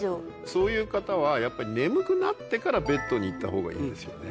そういう方はやっぱり眠くなってからベッドに行った方がいいんですよね。